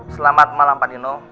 selamat malam pak dino